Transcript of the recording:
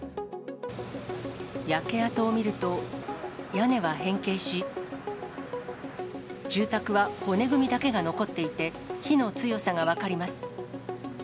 焼け跡を見ると、屋根は変形し、住宅は骨組みだけが残っていて、火の強さが分かります。